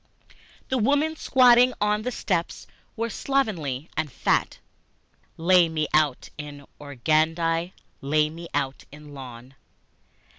The women squatting on the stoops were slovenly and fat, (Lay me out in organdie, lay me out in lawn!)